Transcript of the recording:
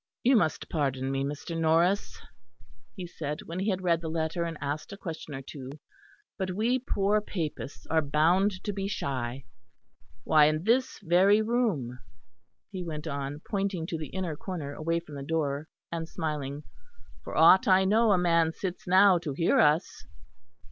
"You must pardon me, Mr. Norris," he said, when he had read the letter and asked a question or two, "but we poor Papists are bound to be shy. Why, in this very room," he went on, pointing to the inner corner away from the door, and smiling, "for aught I know a man sits now to hear us."